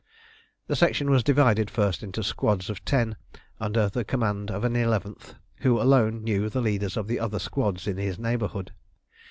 The Section was divided first into squads of ten under the command of an eleventh, who alone knew the leaders of the other squads in his neighbourhood.